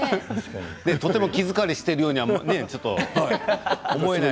とても気疲れしているようには、ちょっと思えない。